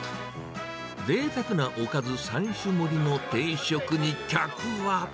ぜいたくなおかず３種盛りの定食に、客は。